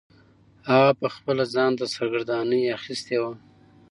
هغه پخپله ځان ته سرګرداني اخیستې وه.